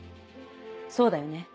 そうだよね？